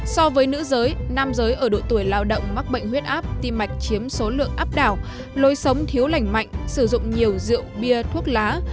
so với nữ giới nam giới ở độ tuổi lao động mắc bệnh huyết áp tim mạch chiếm số lượng áp đảo lôi sống thiếu lành mạnh sử dụng nhiều rượu bia thuốc lá